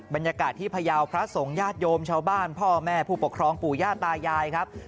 บรรยากาศที่พยาวพระสงฆ์ญาติโยมชาวบ้านพ่อแม่ผู้ปกครองปู่ย่าตายายครับ